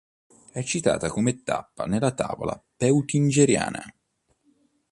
È citata come tappa nella Tavola Peutingeriana.